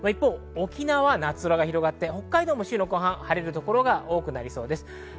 沖縄は夏空が広がり北海道も週の後半、晴れる所が多くなりそうです。